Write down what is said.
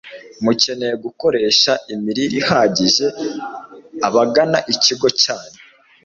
Mukeneye gukoresha imirire ihagije abagana ikigo cyanyu